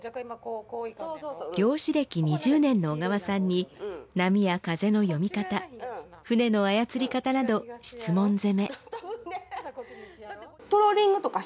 漁師歴２０年の小川さんに波や風の読み方船の操り方など質問攻め。